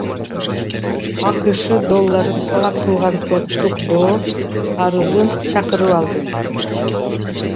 АКШ долларын талап кылган соттук доо арызын чакырып алды.